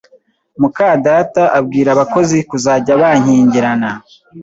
mukadata abwira abakozi kuzajya bankingirana